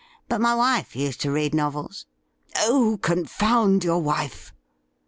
But my wife used to read novels.' ' Oh, confound your wife !'